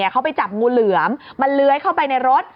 เขาไปจับงูเหลือมมันเลื้อยเข้าไปในรถ